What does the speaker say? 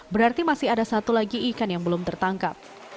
berarti masih ada satu lagi ikan yang belum tertangkap